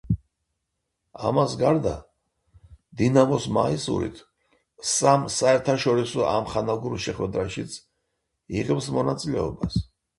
ამას გარდა, „დინამოს“ მაისურით სამ საერთაშორისო ამხანაგურ შეხვედრაშიც იღებს მონაწილეობას.